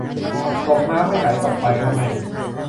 ตกน้ำไม่ไหลตกไฟไม่ไหม้